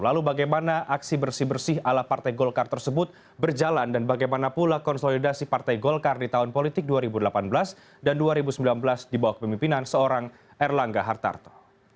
lalu bagaimana aksi bersih bersih ala partai golkar tersebut berjalan dan bagaimana pula konsolidasi partai golkar di tahun politik dua ribu delapan belas dan dua ribu sembilan belas di bawah kepemimpinan seorang erlangga hartarto